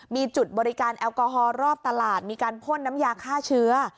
มีจุดบริการแอลกอฮอล์รอบตลาดมีการพ่นน้ำยาฆ่าเชื้อ